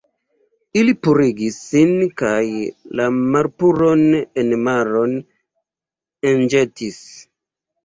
Ili purigis sin kaj la malpuron en maron enĵetis.